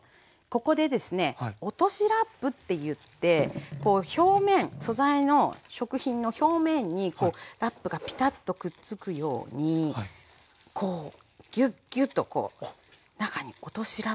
ここでですね落としラップっていって表面素材の食品の表面にラップがピタッとくっつくようにこうギュッギュッと中に落としラップ。